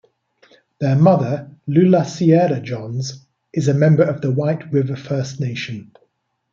Their mother, Lulla Sierra Johns, is a member of the White River First Nation.